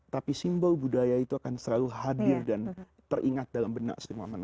tapi simbol budaya itu akan selalu hadir dan teringat dalam benak semua manusia